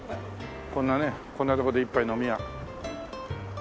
こんなねこんなとこで一杯飲み屋。